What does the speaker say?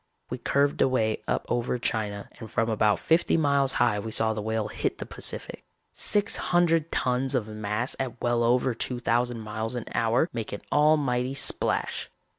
We curved away up over China and from about fifty miles high we saw the Whale hit the Pacific. Six hundred tons of mass at well over two thousand miles an hour make an almighty splash.